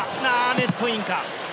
ネットインか。